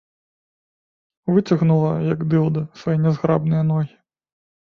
Выцягнула, як дылда, свае нязграбныя ногі.